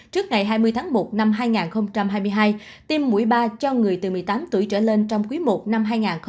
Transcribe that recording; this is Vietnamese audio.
trước ngày hai mươi tháng một năm hai nghìn hai mươi hai tiêm mũi ba cho người từ một mươi tám tuổi trở lên trong quý i năm hai nghìn hai mươi bốn